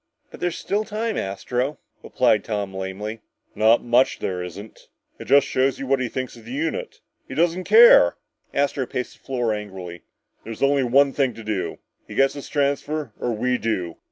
"But there's still time, Astro," replied Tom lamely. "Not much there isn't. It just shows you what he thinks of the unit! He just doesn't care!" Astro paced the floor angrily. "There's only one thing to do! He gets his transfer or we do!